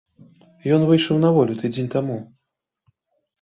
Ён выйшаў на волю тыдзень таму.